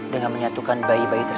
dengan menyatukan bayi bayi tersebut